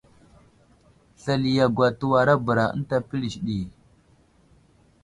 Slali yagwa təwarabəra ənta pəlis ɗi.